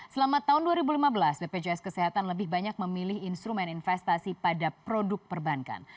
selama tahun dua ribu lima belas bpjs kesehatan lebih banyak memilih instrumen investasi pada produk perbankan